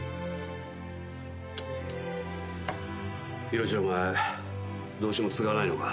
ヒロシお前どうしても継がないのか？